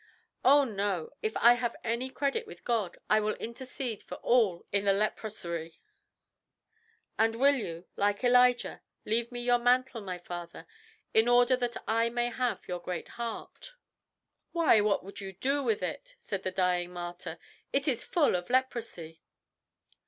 "Oh no! If I have any credit with God, I will intercede for all in the Leproserie." "And will you, like Elijah, leave me your mantle, my father, in order that I may have your great heart?" "Why, what would you do with it?" said the dying martyr, "it is full of leprosy."